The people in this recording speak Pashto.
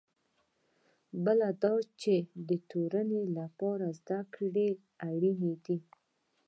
بله دا چې د تورنۍ لپاره زده کړې اړینې دي.